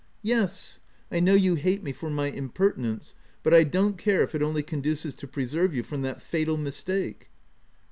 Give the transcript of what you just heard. " Yes ;— I know you hate me for my im pertinence, but I don't care if it only conduces to preserve you from that fatal mistake."